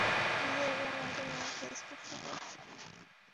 বিয়ের আগে আমাদের মেয়েকে স্পর্শ করেছে!